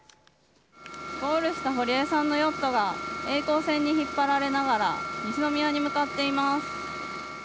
ゴールした堀江さんのヨットはえい航船に引っ張られながら西宮に向かっています。